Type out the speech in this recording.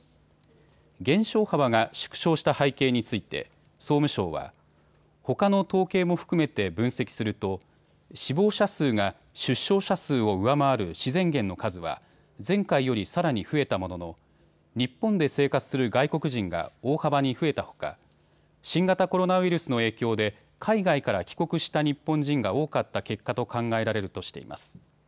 減少幅が縮小した背景について総務省はほかの統計も含めて分析すると死亡者数が出生者数を上回る自然減の数は前回よりさらに増えたものの日本で生活する外国人が大幅に増えたほか新型コロナウイルスの影響で海外から帰国した日本人が多かった結果と考えられるとしています。